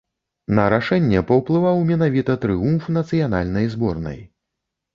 На рашэнне паўплываў менавіта трыумф нацыянальнай зборнай.